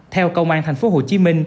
theo công an tp hcm